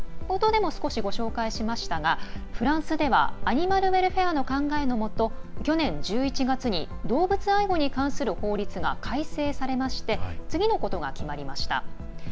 冒頭でも少しご紹介しましたがフランスではアニマルウェルフェアの考えのもと去年１１月に動物愛護に関する法律が改正されまして次のことが決まりました。